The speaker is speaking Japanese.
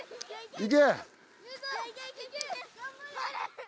行け！